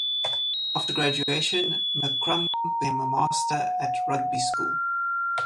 After graduation, McCrum became a master at Rugby School.